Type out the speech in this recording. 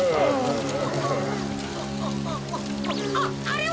あっあれは！？